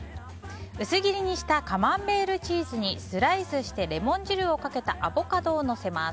薄切りにしたカマンベールチーズにスライスして、レモン汁をかけたアボカドをのせます。